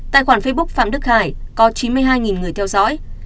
tài khoản facebook phạm đức hải có chín mươi hai người theo dõi